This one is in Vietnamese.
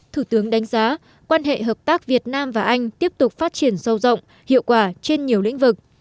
thủ tướng đánh giá quan hệ hợp tác việt nam và anh tiếp tục phát triển sâu rộng hiệu quả trên nhiều lĩnh vực